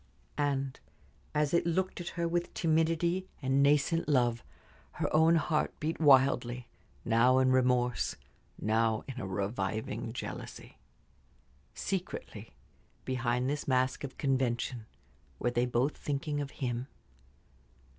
And as it looked at her with timidity and nascent love her own heart beat wildly, now in remorse, now in a reviving jealousy. Secretly, behind this mask of convention, were they both thinking of him?